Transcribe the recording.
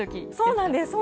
そうなんです。